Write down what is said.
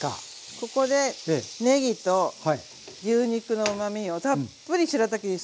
ここでねぎと牛肉のうまみをたっぷりしらたきに吸わしてあげて下さい。